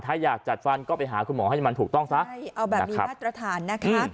ถ้าอยากจัดฟันก็ไปหาคุณหมอให้มันถูกต้องซะใช่เอาแบบนี้มาตรฐานนะคะ